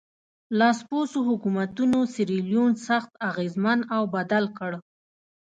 لاسپوڅو حکومتونو سیریلیون سخت اغېزمن او بدل کړ.